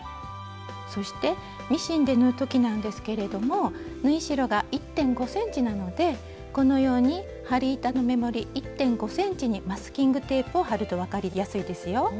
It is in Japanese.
そしてミシンで縫う時なんですけれども縫い代が１．５ｃｍなのでこのように針板のメモリ１．５ｃｍにマスキングテープを貼ると分かりやすいですよ。